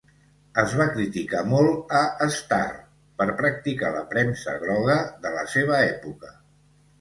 Es va criticar molt a "Star" per practicar la premsa groga de la seva època.